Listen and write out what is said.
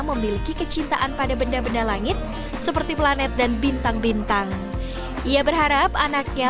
memiliki kecintaan pada benda benda langit seperti planet dan bintang bintang ia berharap anaknya